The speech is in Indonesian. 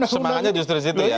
semangatnya justru disitu ya